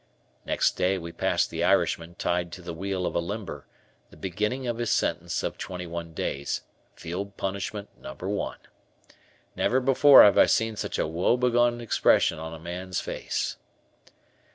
Next day we passed the Irishman tied to the wheel of a limber, the beginning of his sentence of twenty one days, Field Punishment No. I. Never before have I seen such a woebegone expression on a man's face.